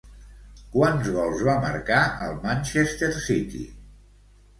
Quants gols va marcar el Manchester City?